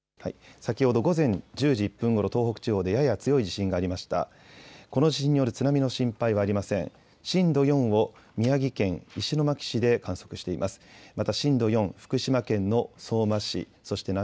先ほど午前１０時１分ごろ東北地方でやや強い地震がありました。